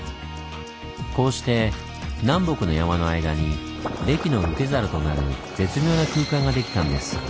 こうして南北の山の間に礫の受け皿となる絶妙な空間ができたんです。